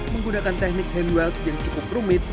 menggunakan teknik hand weld yang cukup rumit